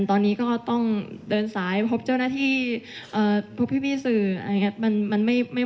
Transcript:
ตอนนี้ก็ต้องเดินสายพบเจ้าหน้าที่พบพี่สื่ออะไรอย่างนี้